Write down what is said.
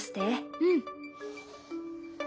うん。